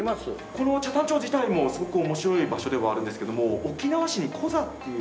この北谷町自体もすごく面白い場所ではあるんですけども沖縄市にコザっていう。